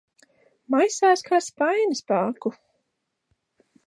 Maisās kā spainis pa aku.